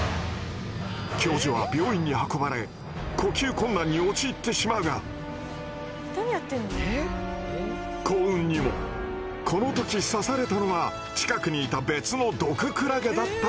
教授は病院に運ばれ呼吸困難に陥ってしまうが幸運にもこの時刺されたのが近くにいた別の毒クラゲだったと判明。